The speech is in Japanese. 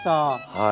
はい。